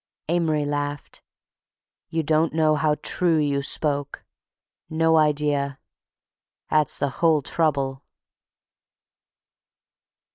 Amory laughed. "You don't know how true you spoke. No idea. 'At's the whole trouble."